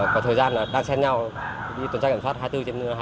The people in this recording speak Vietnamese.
có thời gian đang xem nhau đi tuần tra kiểm soát hai mươi bốn trên hai mươi bốn